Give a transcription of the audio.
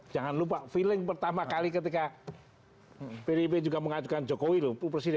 jangan lupa feeling pertama kali ketika pdb juga mengajukan jokowi lho itu menurut saya